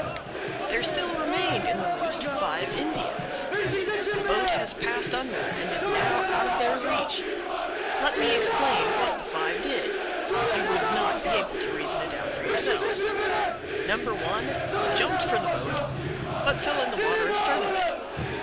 There still remained in the roost five Indians. The boat has passed under and is now out of their reach. Let me explain what the five did you would not be able to reason it out for yourself. No. 1 jumped for the boat, but fell in the water astern of it.